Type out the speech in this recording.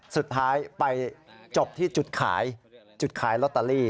สุดท้ายไปจบที่จุดขายจุดขายลอตเตอรี่